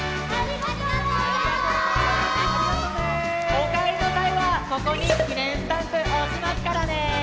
おかえりのさいはここにきねんスタンプおしますからね！